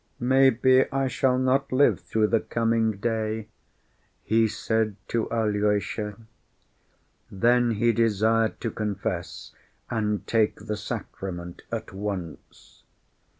"Maybe I shall not live through the coming day," he said to Alyosha. Then he desired to confess and take the sacrament at once.